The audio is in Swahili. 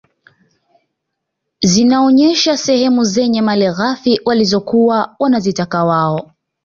Zinazoonyesha sehemu zenye malighafi walizokuwa wanazitaka wao